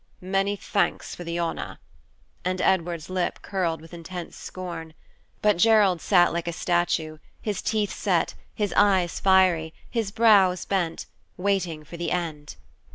"Many thanks for the honor." And Edward's lip curled with intense scorn. But Gerald sat like a statue, his teeth set, his eyes fiery, his brows bent, waiting for the end.